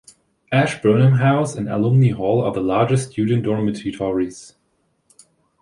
Ashburnham House and Alumni Hall are the largest student dormitories.